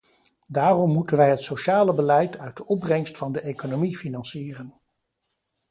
Daarom moeten wij het sociale beleid uit de opbrengst van de economie financieren.